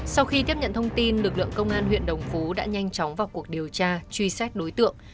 sau khi tiếp nhận thông tin lực lượng công an huyện đồng phú đã nhanh chóng vào cuộc điều tra truy xét đối tượng